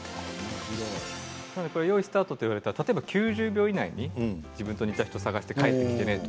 よーいスタート！と言われたら、例えば９０秒以内に自分に似た人を探して帰ってきてねと。